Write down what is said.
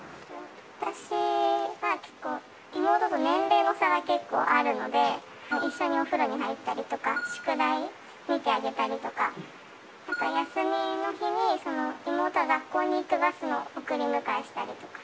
私は結構、妹と年齢の差が結構あるので、一緒にお風呂に入ったりとか、宿題見てあげたりとか、あと休みの日に、妹が学校に行くバスの送り迎えをしたりとか。